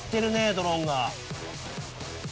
ドローンが。